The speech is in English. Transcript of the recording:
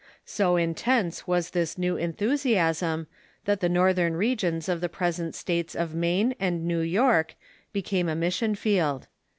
So intense was this new enthusiasm that the northern regions of the jaresent states of Maine and New York became a mission field.